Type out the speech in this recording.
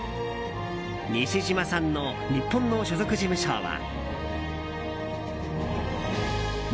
西島さんの日本の所属事務所は。